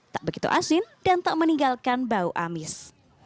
tak begitu asin dan tak meninggalkan bau amis